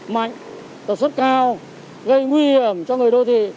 mạnh đột xuất cao gây nguy hiểm cho người đô thị